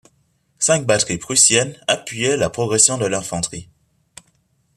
Cinq batteries prussiennes appuyaient la progression de l'infanterie.